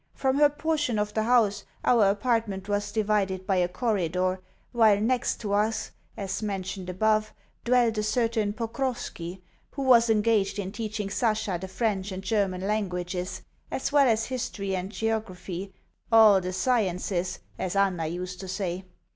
From her portion of the house our apartment was divided by a corridor, while next to us (as mentioned above) dwelt a certain Pokrovski, who was engaged in teaching Sasha the French and German languages, as well as history and geography "all the sciences," as Anna used to say.